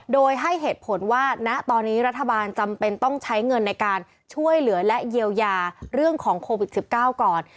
โดยให้เหตุผลว่าณตอนนี้รัฐบาลจำเป็นต้องใช้เงินในการช่วยเหลือและเยียวยาเรื่องของโควิด๑๙ก่อน